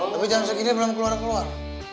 tapi jam segini belum keluar keluar